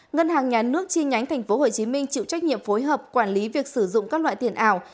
ngân hàng nhà nước chi nhánh tp hcm chịu trách nhiệm phối hợp quản lý việc sử dụng các loại tiền ảo